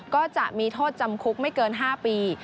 ก็จะมีโทษจำคุกไม่เกิน๕ปี